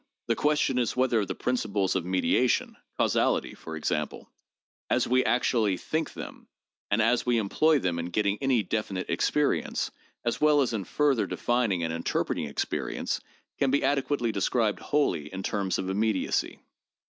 The question is whether the principles of mediation (causality, for example), as we actually think them, and as we employ them in getting any definite experience, as well as in further defining and interpreting experience, can be adequately described wholly in terms of immediacy.